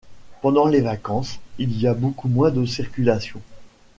Pendant les vacances, il y a beaucoup moins de circulation.